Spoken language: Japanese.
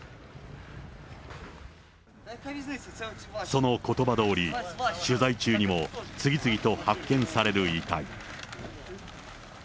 そのことばどおり、取材中にも次々と発見される遺体。